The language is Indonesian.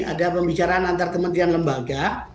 ada pembicaraan antar kementerian lembaga